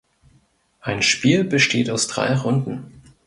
Ein Spiel besteht aus drei Runden.